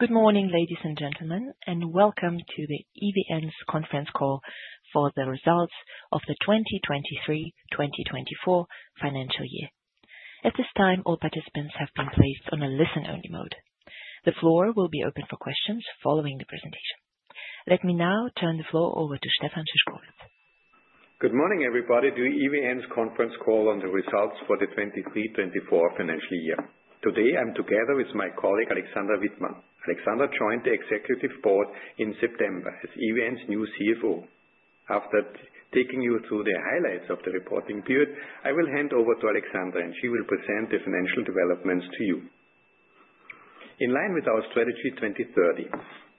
Good morning, ladies and gentlemen, and welcome to the EVN's conference call for the results of the 2023-2024 financial year. At this time, all participants have been placed on a listen-only mode. The floor will be open for questions following the presentation. Let me now turn the floor over to Stefan Szyszkowitz. Good morning, everybody, to EVN's conference call on the results for the 2023-2024 financial year. Today, I'm together with my colleague, Alexandra Wittmann. Alexandra joined the executive board in September as EVN's new CFO. After taking you through the highlights of the reporting period, I will hand over to Alexandra, and she will present the financial developments to you. In line with our Strategy 2030,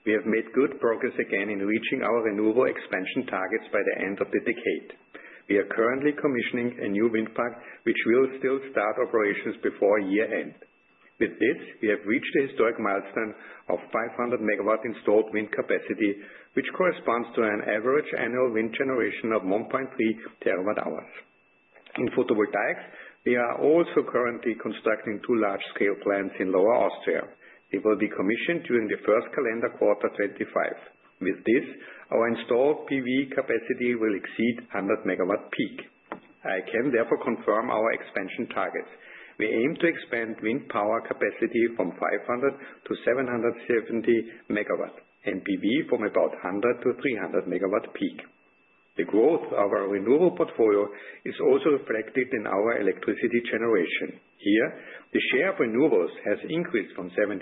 we have made good progress again in reaching our renewable expansion targets by the end of the decade. We are currently commissioning a new wind park, which will still start operations before year-end. With this, we have reached a historic milestone of 500 MW installed wind capacity, which corresponds to an average annual wind generation of 1.3 TWh. In photovoltaics, we are also currently constructing two large-scale plants in Lower Austria. They will be commissioned during the first calendar quarter 2025. With this, our installed PV capacity will exceed 100 MW peak. I can therefore confirm our expansion targets. We aim to expand wind power capacity from 500-770 MW, and PV from about 100-300 MW peak. The growth of our renewable portfolio is also reflected in our electricity generation. Here, the share of renewables has increased from 77%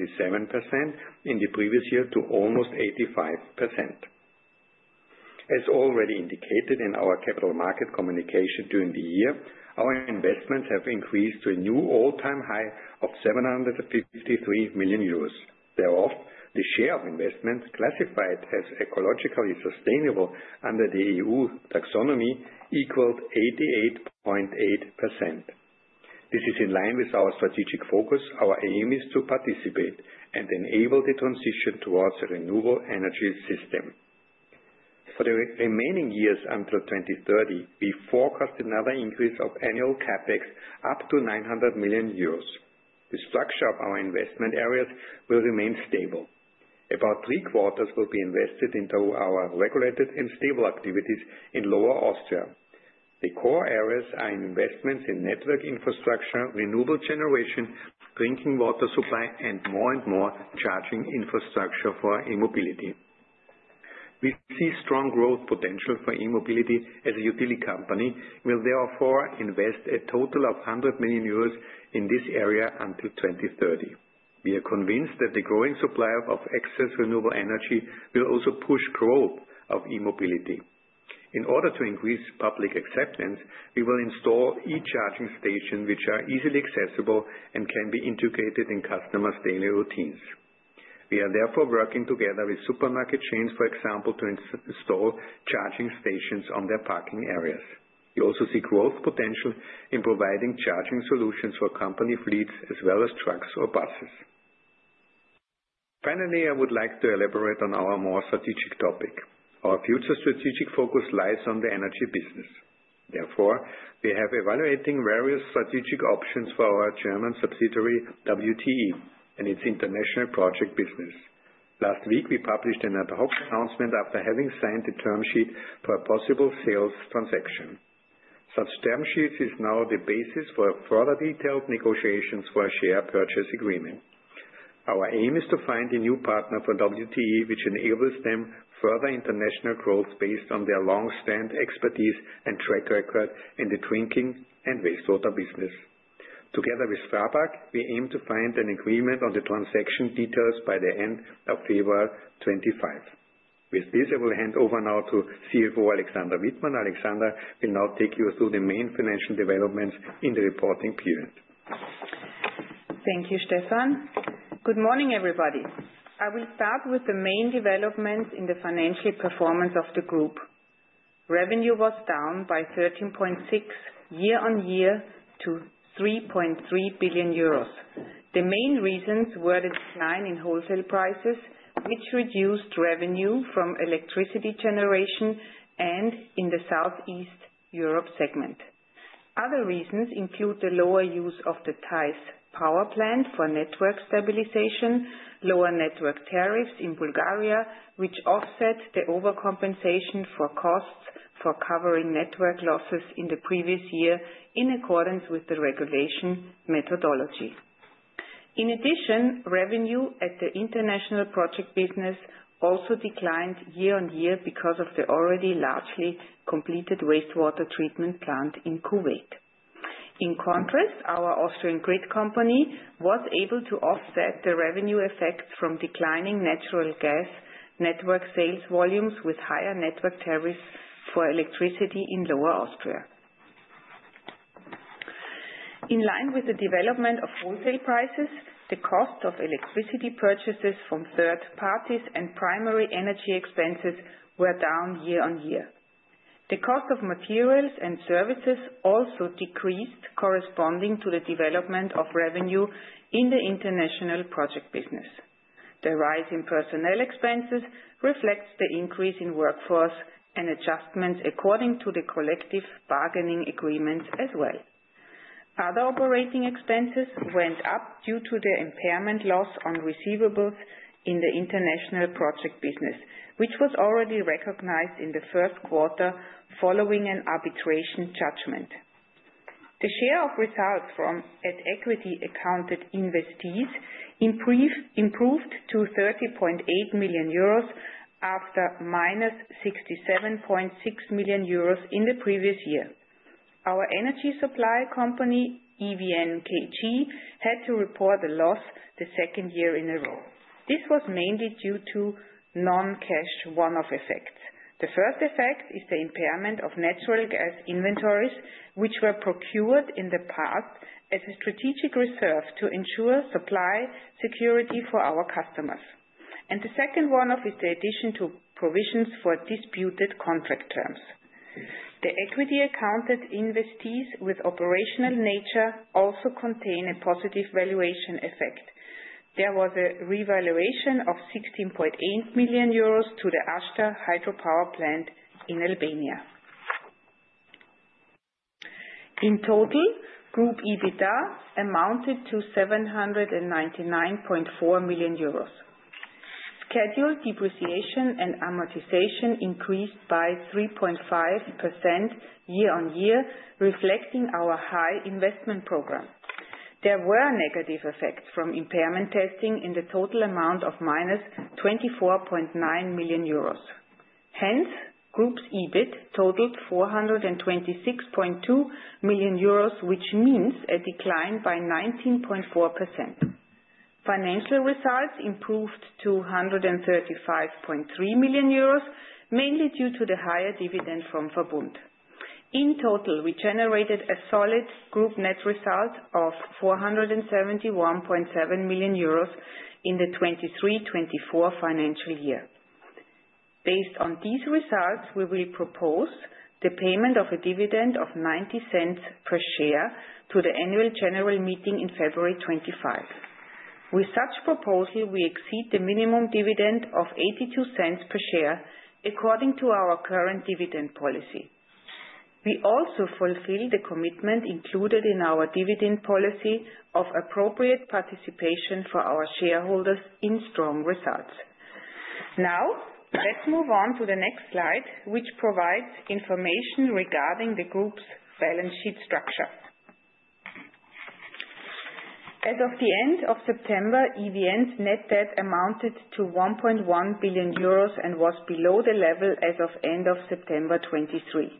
in the previous year to almost 85%. As already indicated in our capital market communication during the year, our investments have increased to a new all-time high of 753 million euros. Thereof, the share of investments classified as ecologically sustainable under the EU taxonomy equaled 88.8%. This is in line with our strategic focus. Our aim is to participate and enable the transition towards a renewable energy system. For the remaining years until 2030, we forecast another increase of annual CapEx up to 900 million euros. The structure of our investment areas will remain stable. About three quarters will be invested into our regulated and stable activities in Lower Austria. The core areas are investments in network infrastructure, renewable generation, drinking water supply, and more and more charging infrastructure for e-mobility. We see strong growth potential for e-mobility as a utility company. We will therefore invest a total of 100 million euros in this area until 2030. We are convinced that the growing supply of excess renewable energy will also push the growth of e-mobility. In order to increase public acceptance, we will install e-charging stations, which are easily accessible and can be integrated in customers' daily routines. We are therefore working together with supermarket chains, for example, to install charging stations on their parking areas. We also see growth potential in providing charging solutions for company fleets, as well as trucks or buses. Finally, I would like to elaborate on our more strategic topic. Our future strategic focus lies on the energy business. Therefore, we have been evaluating various strategic options for our German subsidiary, WTE, and its international project business. Last week, we published an ad-hoc announcement after having signed a term sheet for a possible sales transaction. Such term sheets are now the basis for further detailed negotiations for a share purchase agreement. Our aim is to find a new partner for WTE, which enables them further international growth based on their long-standing expertise and track record in the drinking and wastewater business. Together with Strabag, we aim to find an agreement on the transaction details by the end of February 2025. With this, I will hand over now to CFO Alexandra Wittmann. Alexandra will now take you through the main financial developments in the reporting period. Thank you, Stefan. Good morning, everybody. I will start with the main developments in the financial performance of the group. Revenue was down by 13.6% year-on-year to 3.3 billion euros. The main reasons were the decline in wholesale prices, which reduced revenue from electricity generation and in the Southeast Europe segment. Other reasons include the lower use of the Theiss power plant for network stabilization, lower network tariffs in Bulgaria, which offset the overcompensation for costs for covering network losses in the previous year in accordance with the regulation methodology. In addition, revenue at the international project business also declined year-on-year because of the already largely completed wastewater treatment plant in Kuwait. In contrast, our Austrian grid company was able to offset the revenue effects from declining natural gas network sales volumes with higher network tariffs for electricity in Lower Austria. In line with the development of wholesale prices, the cost of electricity purchases from third parties and primary energy expenses were down year-on-year. The cost of materials and services also decreased, corresponding to the development of revenue in the international project business. The rise in personnel expenses reflects the increase in workforce and adjustments according to the collective bargaining agreement as well. Other operating expenses went up due to the impairment loss on receivables in the international project business, which was already recognized in the Q1 following an arbitration judgment. The share of results from equity accounted investees improved to 30.8 million euros after -67.6 million euros in the previous year. Our energy supply company, EVN KG, had to report a loss the second year in a row. This was mainly due to non-cash one-off effects. The first effect is the impairment of natural gas inventories, which were procured in the past as a strategic reserve to ensure supply security for our customers, and the second one-off is the addition to provisions for disputed contract terms. The equity accounted investees with operational nature also contain a positive valuation effect. There was a revaluation of 16.8 million euros to the Ashta hydropower plant in Albania. In total, Group EBITDA amounted to 799.4 million euros. Scheduled depreciation and amortization increased by 3.5% year-on-year, reflecting our high investment program. There were negative effects from impairment testing in the total amount of -24.9 million euros. Hence, Group's EBIT totaled 426.2 million euros, which means a decline by 19.4%. Financial results improved to 135.3 million euros, mainly due to the higher dividend from VERBUND. In total, we generated a solid group net result of 471.7 million euros in the 2023-2024 financial year. Based on these results, we will propose the payment of a dividend of 0.90 per share to the annual general meeting in February 2025. With such proposal, we exceed the minimum dividend of 0.82 per share, according to our current dividend policy. We also fulfill the commitment included in our dividend policy of appropriate participation for our shareholders in strong results. Now, let's move on to the next slide, which provides information regarding the group's balance sheet structure. As of the end of September, EVN's net debt amounted to 1.1 billion euros and was below the level as of end of September 2023.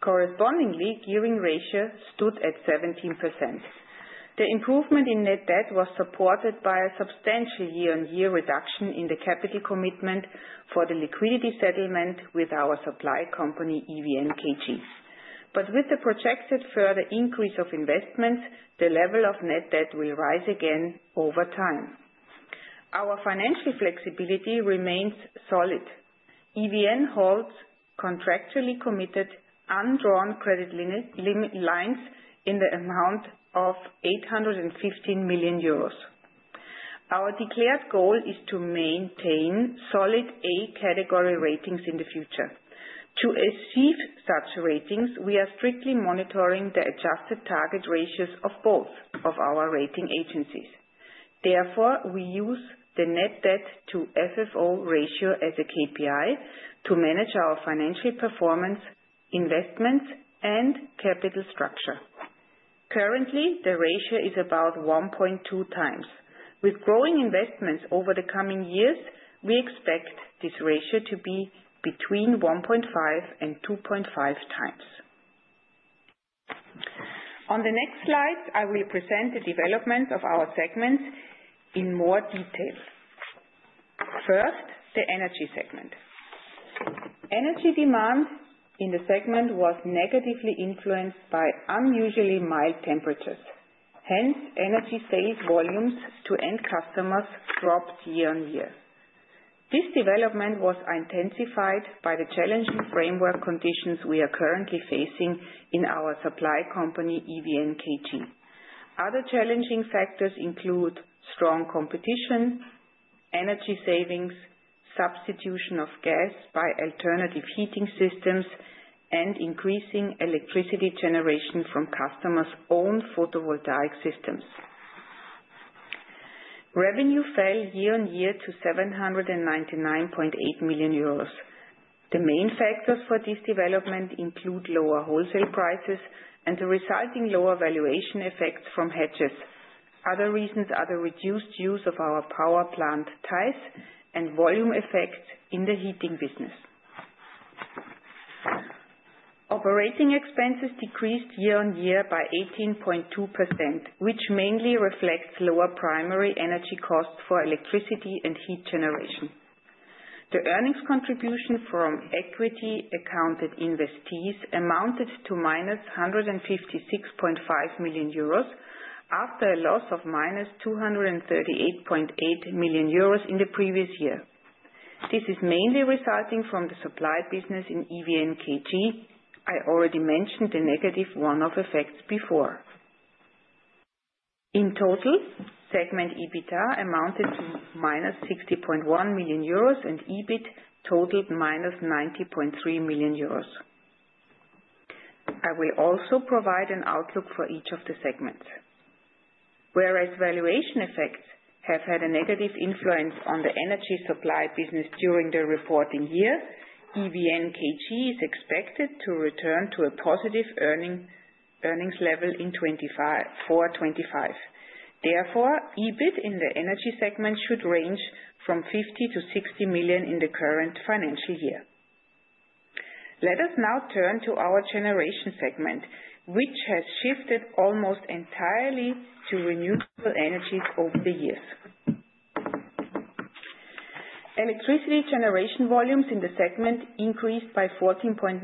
Correspondingly, gearing ratio stood at 17%. The improvement in net debt was supported by a substantial year-on-year reduction in the capital commitment for the liquidity settlement with our supply company, EVN KG. But with the projected further increase of investments, the level of net debt will rise again over time. Our financial flexibility remains solid. EVN holds contractually committed undrawn credit lines in the amount of 815 million euros. Our declared goal is to maintain solid A category ratings in the future. To achieve such ratings, we are strictly monitoring the adjusted target ratios of both of our rating agencies. Therefore, we use the net debt to FFO ratio as a KPI to manage our financial performance, investments, and capital structure. Currently, the ratio is about 1.2x. With growing investments over the coming years, we expect this ratio to be between 1.5x and 2.5x. On the next slide, I will present the developments of our segments in more detail. First, the energy segment. Energy demand in the segment was negatively influenced by unusually mild temperatures. Hence, energy sales volumes to end customers dropped year-on-year. This development was intensified by the challenging framework conditions we are currently facing in our supply company, EVN KG. Other challenging factors include strong competition, energy savings, substitution of gas by alternative heating systems, and increasing electricity generation from customers' own photovoltaic systems. Revenue fell year-on-year to 799.8 million euros. The main factors for this development include lower wholesale prices and the resulting lower valuation effects from hedges. Other reasons are the reduced use of our power plant, Theiss, and volume effects in the heating business. Operating expenses decreased year-on-year by 18.2%, which mainly reflects lower primary energy costs for electricity and heat generation. The earnings contribution from equity accounted investees amounted to -156.5 million euros after a loss of -238.8 million euros in the previous year. This is mainly resulting from the supply business in EVN KG. I already mentioned the negative one-off effects before. In total, segment EBITDA amounted to -60.1 million euros, and EBIT totaled -90.3 million euros. I will also provide an outlook for each of the segments. Whereas valuation effects have had a negative influence on the energy supply business during the reporting year, EVN KG is expected to return to a positive earnings level in 2025. Therefore, EBIT in the energy segment should range from 50 million-60 million in the current financial year. Let us now turn to our generation segment, which has shifted almost entirely to renewable energies over the years. Electricity generation volumes in the segment increased by 14.9%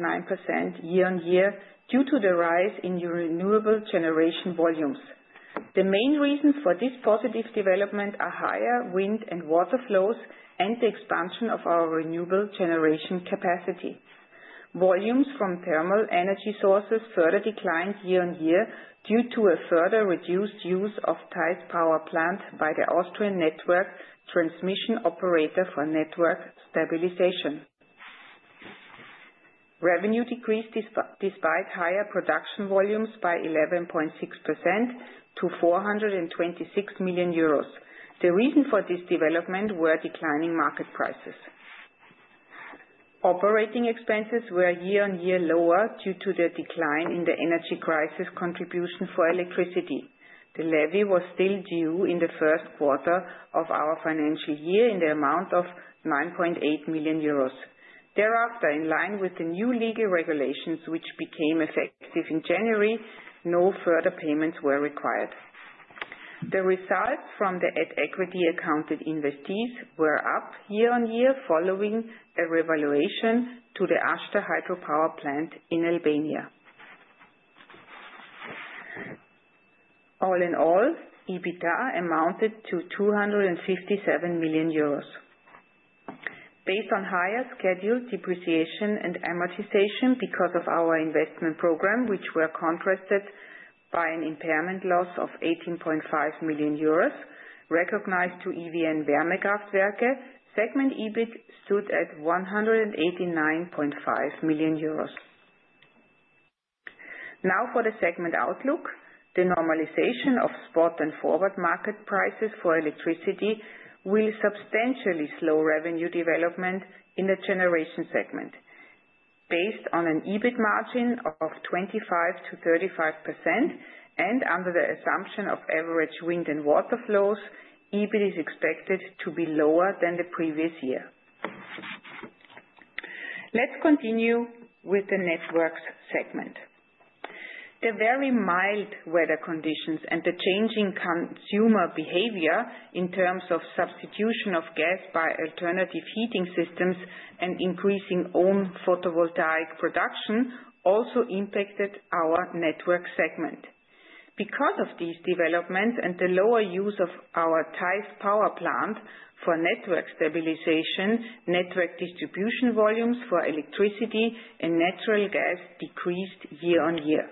year-on-year due to the rise in renewable generation volumes. The main reasons for this positive development are higher wind and water flows and the expansion of our renewable generation capacity. Volumes from thermal energy sources further declined year-on-year due to a further reduced use of Theiss power plant by the Austrian network transmission operator for network stabilization. Revenue decreased despite higher production volumes by 11.6% to 426 million euros. The reason for this development was declining market prices. Operating expenses were year-on-year lower due to the decline in the energy crisis contribution for electricity. The levy was still due in the Q1 of our financial year in the amount of 9.8 million euros. Thereafter, in line with the new legal regulations, which became effective in January, no further payments were required. The results from the equity accounted investees were up year-on-year following a revaluation to the Ashta hydropower plant in Albania. All in all, EBITDA amounted to 257 million euros. Based on higher scheduled depreciation and amortization because of our investment program, which were contrasted by an impairment loss of 18.5 million euros recognized to EVN Wärmekraftwerke, segment EBIT stood at 189.5 million euros. Now for the segment outlook, the normalization of spot and forward market prices for electricity will substantially slow revenue development in the generation segment. Based on an EBIT margin of 25%-35% and under the assumption of average wind and water flows, EBIT is expected to be lower than the previous year. Let's continue with the networks segment. The very mild weather conditions and the changing consumer behavior in terms of substitution of gas by alternative heating systems and increasing own photovoltaic production also impacted our network segment. Because of these developments and the lower use of our Theiss power plant for network stabilization, network distribution volumes for electricity and natural gas decreased year-on-year.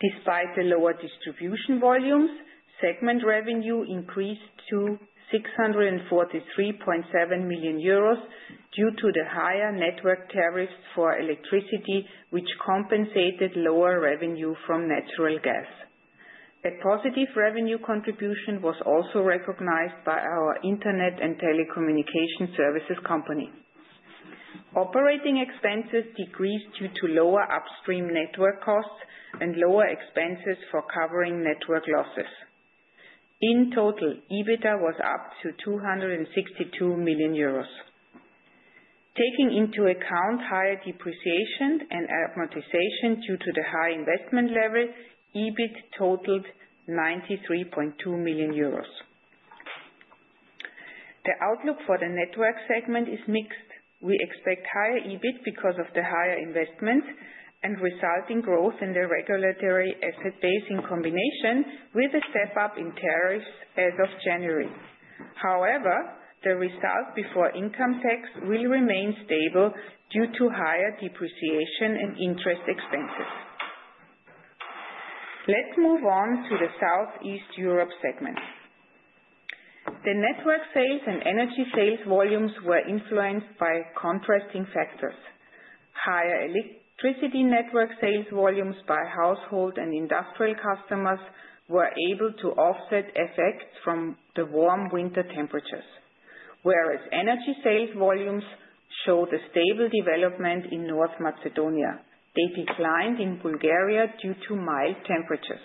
Despite the lower distribution volumes, segment revenue increased to 643.7 million euros due to the higher network tariffs for electricity, which compensated lower revenue from natural gas. A positive revenue contribution was also recognized by our internet and telecommunication services company. Operating expenses decreased due to lower upstream network costs and lower expenses for covering network losses. In total, EBITDA was up to 262 million euros. Taking into account higher depreciation and amortization due to the high investment level, EBIT totaled 93.2 million euros. The outlook for the network segment is mixed. We expect higher EBIT because of the higher investments and resulting growth in the regulatory asset base in combination with the step-up in tariffs as of January. However, the result before income tax will remain stable due to higher depreciation and interest expenses. Let's move on to the Southeast Europe segment. The network sales and energy sales volumes were influenced by contrasting factors. Higher electricity network sales volumes by household and industrial customers were able to offset effects from the warm winter temperatures. Whereas energy sales volumes showed a stable development in North Macedonia. They declined in Bulgaria due to mild temperatures.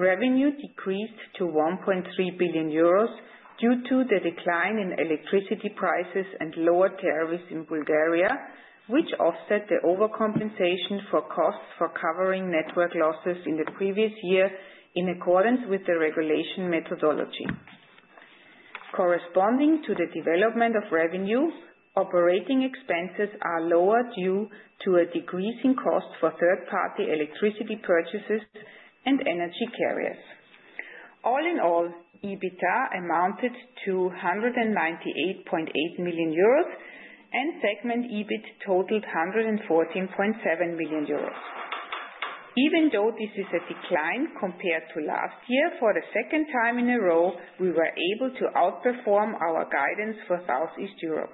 Revenue decreased to 1.3 billion euros due to the decline in electricity prices and lower tariffs in Bulgaria, which offset the overcompensation for costs for covering network losses in the previous year in accordance with the regulation methodology. Corresponding to the development of revenue, operating expenses are lower due to a decreasing cost for third-party electricity purchases and energy carriers. All in all, EBITDA amounted to 198.8 million euros, and segment EBIT totaled 114.7 million euros. Even though this is a decline compared to last year, for the second time in a row, we were able to outperform our guidance for Southeast Europe.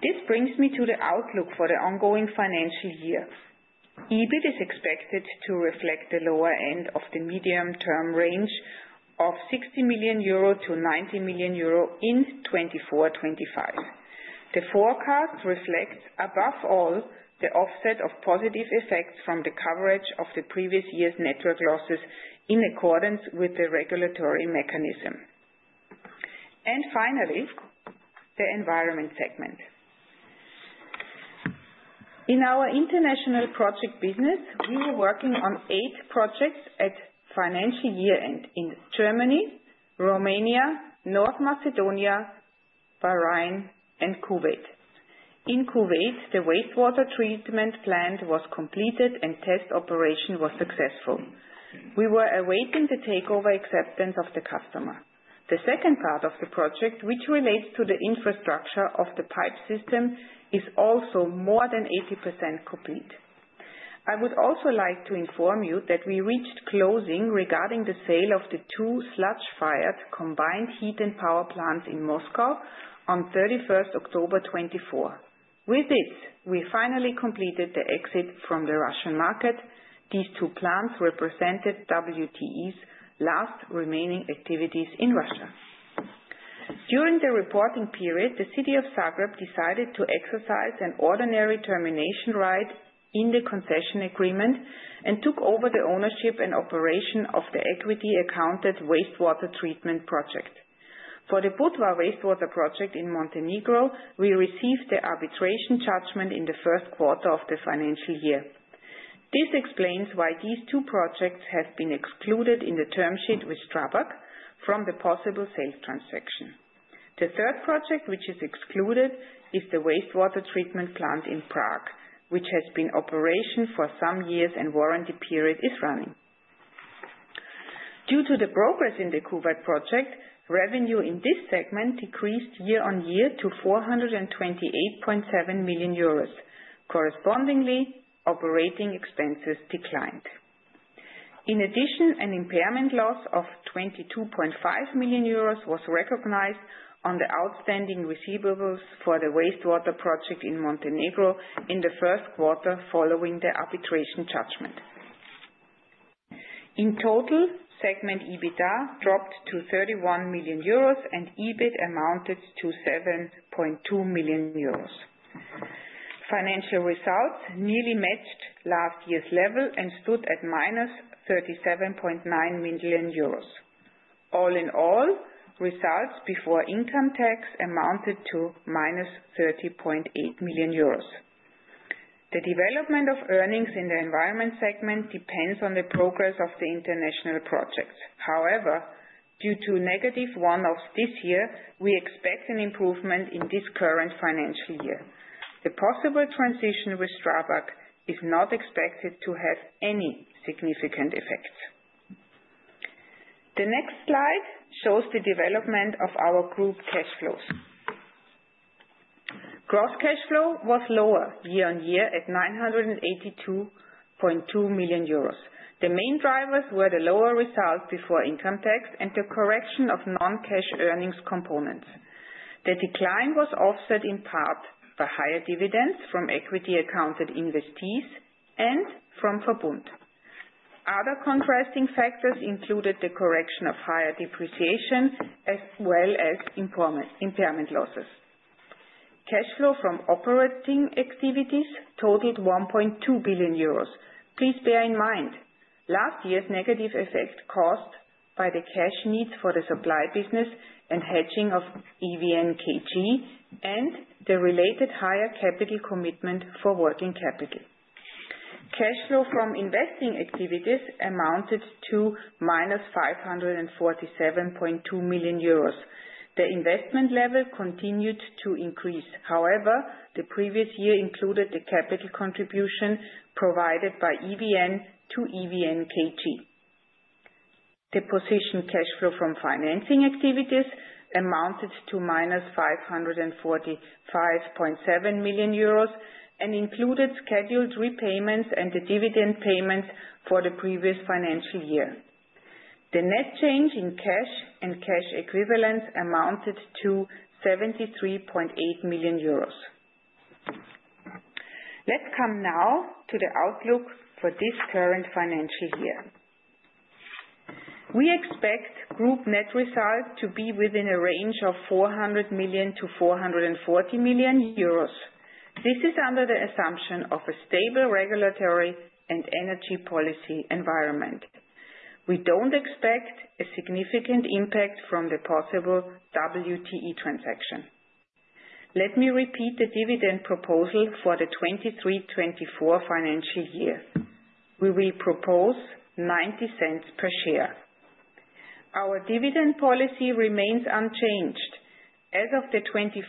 This brings me to the outlook for the ongoing financial year. EBIT is expected to reflect the lower end of the medium-term range of 60 million-90 million euro in 2024-2025. The forecast reflects, above all, the offset of positive effects from the coverage of the previous year's network losses in accordance with the regulatory mechanism. And finally, the environment segment. In our international project business, we were working on eight projects at financial year-end in Germany, Romania, North Macedonia, Bahrain, and Kuwait. In Kuwait, the wastewater treatment plant was completed and test operation was successful. We were awaiting the takeover acceptance of the customer. The second part of the project, which relates to the infrastructure of the pipe system, is also more than 80% complete. I would also like to inform you that we reached closing regarding the sale of the two sludge-fired combined heat and power plants in Moscow on 31 October 2024. With this, we finally completed the exit from the Russian market. These two plants represented WTE's last remaining activities in Russia. During the reporting period, the city of Zagreb decided to exercise an ordinary termination right in the concession agreement and took over the ownership and operation of the equity accounted wastewater treatment project. For the Budva wastewater project in Montenegro, we received the arbitration judgment in the Q1 of the financial year. This explains why these two projects have been excluded in the term sheet with Strabag from the possible sales transaction. The third project, which is excluded, is the wastewater treatment plant in Prague, which has been in operation for some years and the warranty period is running. Due to the progress in the Kuwait project, revenue in this segment decreased year-on-year to 428.7 million euros. Correspondingly, operating expenses declined. In addition, an impairment loss of 22.5 million euros was recognized on the outstanding receivables for the wastewater project in Montenegro in the Q1 following the arbitration judgment. In total, segment EBITDA dropped to 31 million euros and EBIT amounted to 7.2 million euros. Financial results nearly matched last year's level and stood at -37.9 million euros. All in all, results before income tax amounted to -30.8 million euros. The development of earnings in the environment segment depends on the progress of the international projects. However, due to negative one-offs this year, we expect an improvement in this current financial year. The possible transition with Strabag is not expected to have any significant effects. The next slide shows the development of our group cash flows. Gross cash flow was lower year-on-year at 982.2 million euros. The main drivers were the lower result before income tax and the correction of non-cash earnings components. The decline was offset in part by higher dividends from equity accounted investees and from Verbund. Other contrasting factors included the correction of higher depreciation as well as impairment losses. Cash flow from operating activities totaled 1.2 billion euros. Please bear in mind last year's negative effect caused by the cash needs for the supply business and hedging of EVN KG and the related higher capital commitment for working capital. Cash flow from investing activities amounted to -547.2 million euros. The investment level continued to increase. However, the previous year included the capital contribution provided by EVN to EVN KG. The cash flow from financing activities amounted to -545.7 million euros and included scheduled repayments and the dividend payments for the previous financial year. The net change in cash and cash equivalents amounted to 73.8 million euros. Let's come now to the outlook for this current financial year. We expect group net result to be within a range of 400 million-440 million euros. This is under the assumption of a stable regulatory and energy policy environment. We don't expect a significant impact from the possible WTE transaction. Let me repeat the dividend proposal for the 2023-24 financial year. We will propose 0.90 per share. Our dividend policy remains unchanged. As of the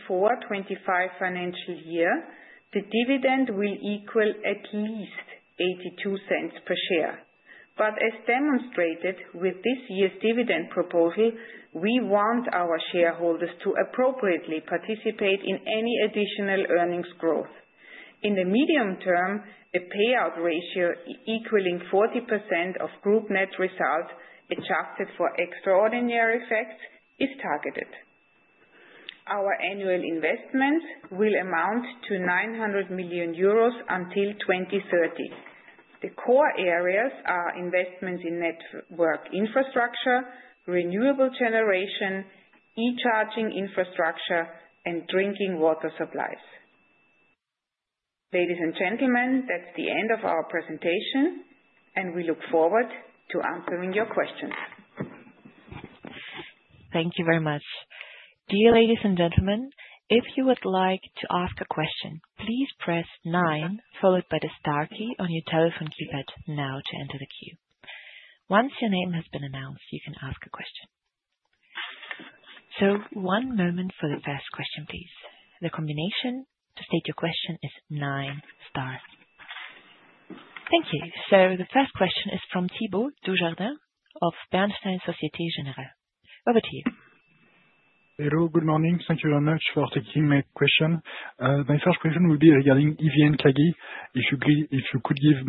2024-2025 financial year, the dividend will equal at least 0.82 per share. But as demonstrated with this year's dividend proposal, we want our shareholders to appropriately participate in any additional earnings growth. In the medium term, a payout ratio equaling 40% of group net result adjusted for extraordinary effects is targeted. Our annual investments will amount to 900 million euros until 2030. The core areas are investments in network infrastructure, renewable generation, e-charging infrastructure, and drinking water supplies. Ladies and gentlemen, that's the end of our presentation, and we look forward to answering your questions. Thank you very much. Dear ladies and gentlemen, if you would like to ask a question, please press nine followed by the star key on your telephone keypad now to enter the queue. Once your name has been announced, you can ask a question. So one moment for the first question, please. The combination to state your question is nine star. Thank you. So the first question is from Thibault Dujardin of Bernstein Société Générale. Over to you. Hello, good morning. Thank you very much for taking my question. My first question will be regarding EVN KG. If you could give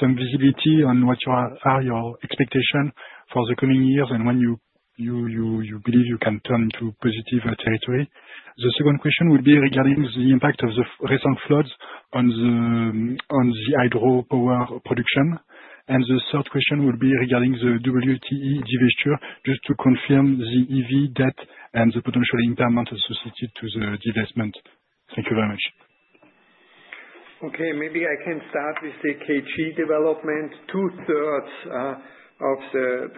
some visibility on what are your expectations for the coming years and when you believe you can turn to positive territory. The second question would be regarding the impact of the recent floods on the hydropower production. And the third question would be regarding the WTE divestiture, just to confirm the EVN debt and the potential impairment associated to the divestment. Thank you very much. Okay, maybe I can start with the EVN KG development. Two-thirds of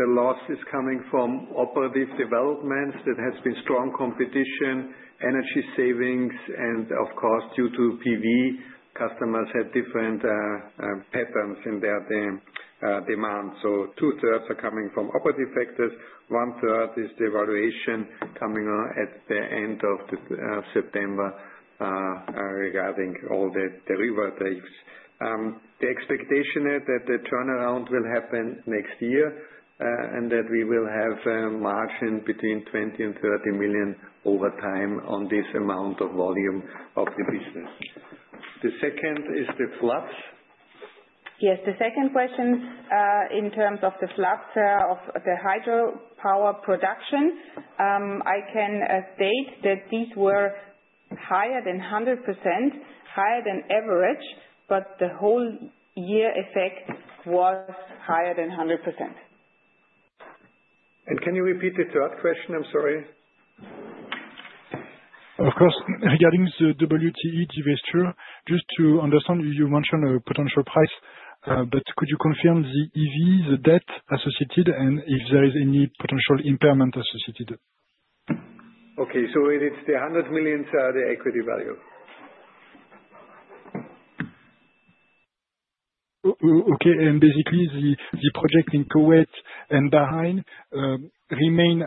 the loss is coming from operative developments. There has been strong competition, energy savings, and of course, due to PV, customers had different patterns in their demand. So two-thirds are coming from operative factors. One-third is the evaluation coming at the end of September regarding all the derivatives. The expectation is that the turnaround will happen next year and that we will have a margin between 20million-30 million over time on this amount of volume of the business. The second is the floods. Yes, the second question in terms of the output of the hydropower production. I can state that these were higher than 100%, higher than average, but the whole year effect was higher than 100%. Can you repeat the third question? I'm sorry. Of course. Regarding the WTE divestiture, just to understand, you mentioned a potential price, but could you confirm the EV, the debt associated, and if there is any potential impairment associated? Okay, so it's the 100 million equity value. Okay, and basically the project in Kuwait and Bahrain remain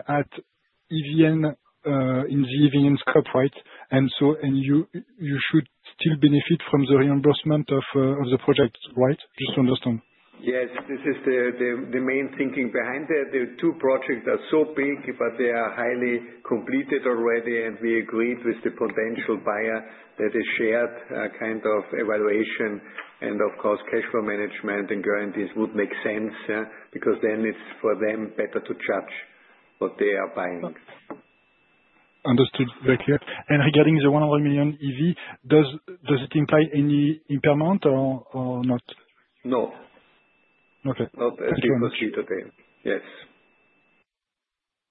in the EVN scope, right? And you should still benefit from the reimbursement of the project, right? Just to understand. Yes, this is the main thinking behind it. The two projects are so big, but they are highly completed already, and we agreed with the potential buyer that a shared kind of evaluation and, of course, cash flow management and guarantees would make sense because then it's for them better to judge what they are buying. Understood, very clear. And regarding the 100 million EV, does it imply any impairment or not? No. Not at least for today, yes.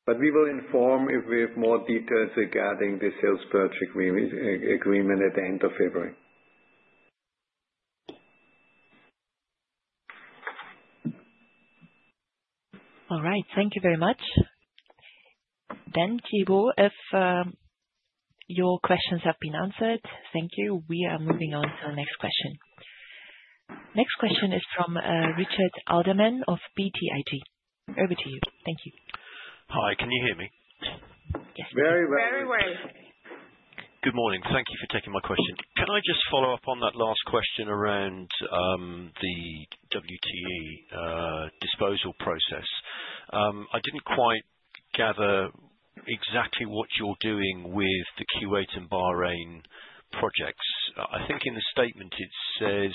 But we will inform if we have more details regarding the share purchase agreement at the end of February. All right, thank you very much. Then, Thibault, if your questions have been answered, thank you. We are moving on to the next question. Next question is from Richard Alderman of BTIG. Over to you. Thank you. Hi, can you hear me? Yes. Very well. Very well. Good morning. Thank you for taking my question. Can I just follow up on that last question around the WTE disposal process? I didn't quite gather exactly what you're doing with the Kuwait and Bahrain projects. I think in the statement it says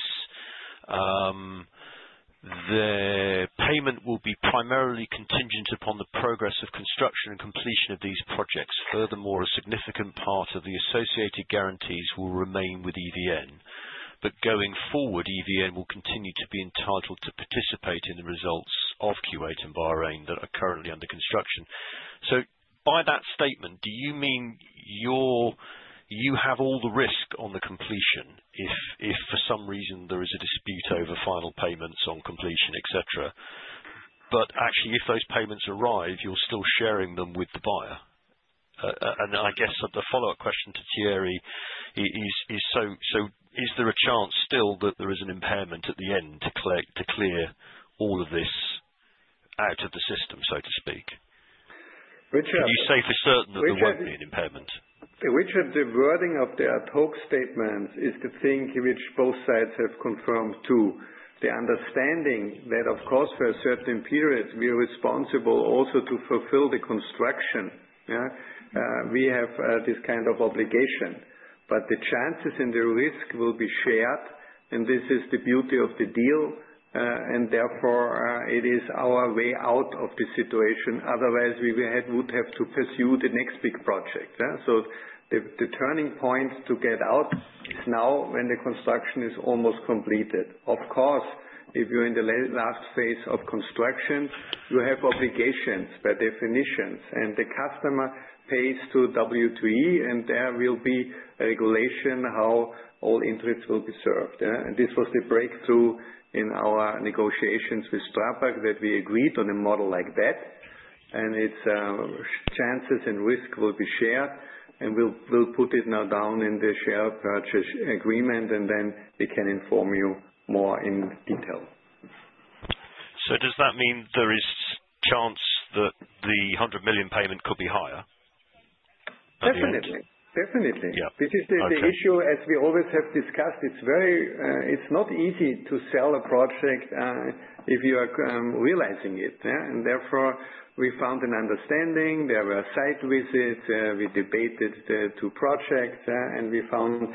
the payment will be primarily contingent upon the progress of construction and completion of these projects. Furthermore, a significant part of the associated guarantees will remain with EVN. But going forward, EVN will continue to be entitled to participate in the results of Kuwait and Bahrain that are currently under construction. So by that statement, do you mean you have all the risk on the completion if for some reason there is a dispute over final payments on completion, etc.? But actually, if those payments arrive, you're still sharing them with the buyer. I guess the follow-up question to Thibault is, so is there a chance still that there is an impairment at the end to clear all of this out of the system, so to speak? You say for certain that there won't be an impairment. Richard, the wording of the ad hoc statements is the thing which both sides have confirmed too. The understanding that, of course, for a certain period, we are responsible also to fulfill the construction. We have this kind of obligation. But the chances and the risk will be shared, and this is the beauty of the deal. Therefore, it is our way out of the situation. Otherwise, we would have to pursue the next big project. The turning point to get out is now when the construction is almost completed. Of course, if you're in the last phase of construction, you have obligations by definition. And the customer pays to WTE, and there will be regulation how all interests will be served. This was the breakthrough in our negotiations with Strabag that we agreed on a model like that. And its chances and risk will be shared, and we'll put it now down in the share purchase agreement, and then we can inform you more in detail. So does that mean there is a chance that the 100 million payment could be higher? Definitely. This is the issue, as we always have discussed. It's not easy to sell a project if you are realizing it. And therefore, we found an understanding. There were site visits. We debated the two projects, and we found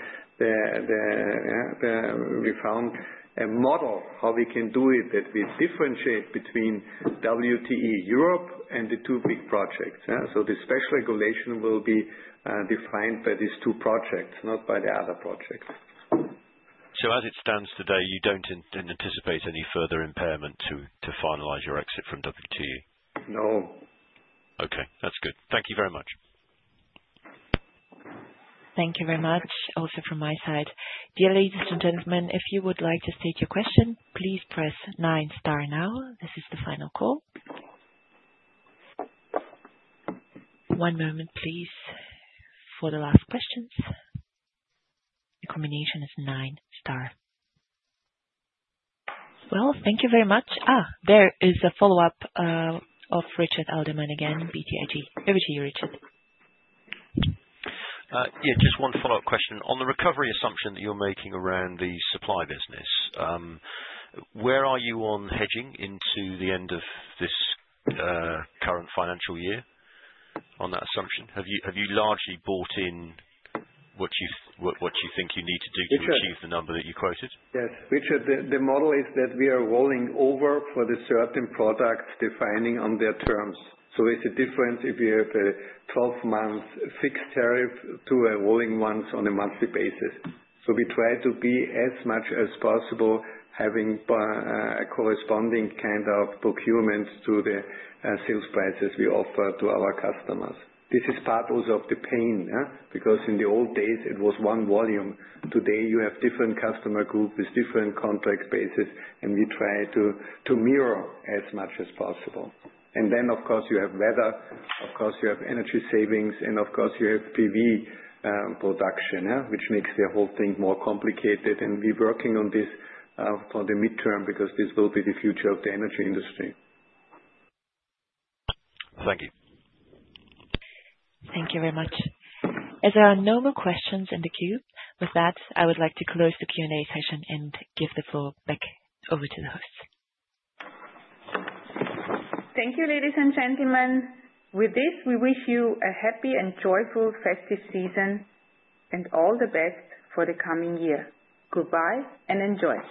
a model how we can do it that we differentiate between WTE Europe and the two big projects. So the special regulation will be defined by these two projects, not by the other projects. So as it stands today, you don't anticipate any further impairment to finalize your exit from WTE? No. Okay, that's good. Thank you very much. Thank you very much. Also from my side. Dear ladies and gentlemen, if you would like to state your question, please press 9 star now. This is the final call. One moment, please, for the last questions. The combination is nine star. Well, thank you very much. There is a follow-up of Richard Alderman again, BTIG. Over to you, Richard. Yeah, just one follow-up question. On the recovery assumption that you're making around the supply business, where are you on hedging into the end of this current financial year on that assumption? Have you largely bought in what you think you need to do to achieve the number that you quoted? Richard, the model is that we are rolling over for certain products depending on their terms. So it's a difference if you have a 12-month fixed tariff to a rolling one on a monthly basis. So we try to be as much as possible having a corresponding kind of procurement to the sales prices we offer to our customers. This is also part of the pain because in the old days, it was one volume. Today, you have different customer groups with different contract bases, and we try to mirror as much as possible, and then, of course, you have weather. Of course, you have energy savings, and of course, you have PV production, which makes the whole thing more complicated, and we're working on this for the midterm because this will be the future of the energy industry. Thank you. Thank you very much. As there are no more questions in the queue, with that, I would like to close the Q&A session and give the floor back over to the hosts. Thank you, ladies and gentlemen. With this, we wish you a happy and joyful festive season and all the best for the coming year. Goodbye and enjoy.